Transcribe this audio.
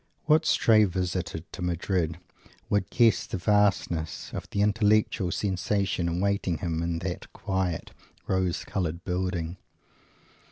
What stray visitor to Madrid would guess the vastness of the intellectual sensation awaiting him in that quiet, rose coloured building?